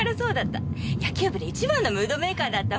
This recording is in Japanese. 野球部で一番のムードメーカーだったもの。